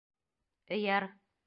Эйәр!